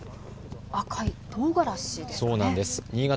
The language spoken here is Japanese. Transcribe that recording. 赤いとうがらしですかね。